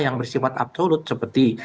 yang bersifat absolut seperti